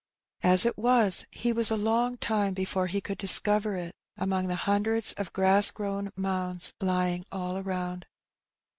As it was, he was a long time before he could discover it among the hundreds of grass grown mounds lying all around it.